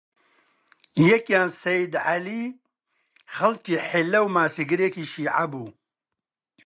یەکیان سەیید عەلی، خەڵکی حیللە و ماسیگرێکی شیعە بوو